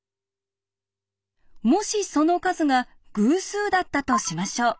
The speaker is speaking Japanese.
もしその数が偶数だったとしましょう。